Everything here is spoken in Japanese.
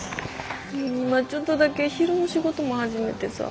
今ちょっとだけ昼の仕事も始めてさ。